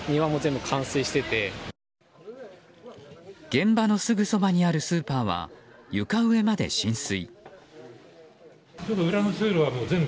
現場のすぐそばにあるスーパーは床上まで浸水。